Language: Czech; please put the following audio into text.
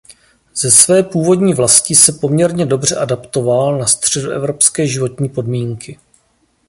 Ze své původní vlasti se poměrně dobře adaptoval na středoevropské životní podmínky.